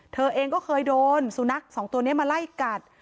เธอเองก็เคยโดนสุนัขสองตัวนี้มาไล่กัด